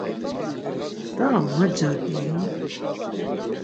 Daha va cagi-i?